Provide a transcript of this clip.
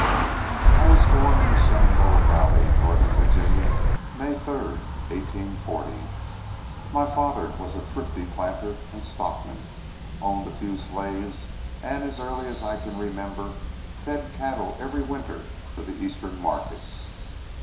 I was born in the Shenandoah Valley, northern Virginia, May 3, 1840. My father was a thrifty planter and stockman, owned a few slaves, and as early as I can remember fed cattle every winter for the eastern markets.